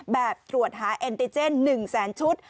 แบบตรวจหาเอ็นติเจน๑แสนชุด